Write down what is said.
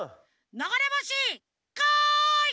ながれぼしこい！